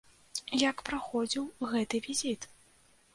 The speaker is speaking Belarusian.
Як праходзіў гэты візіт?